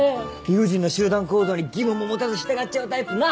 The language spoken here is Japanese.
理不尽な集団行動に疑問も持たず従っちゃうタイプな！